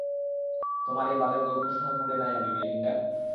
তোমার এই বালের গল্প শোনার মুডে নাই আমি মেলিন্ডা?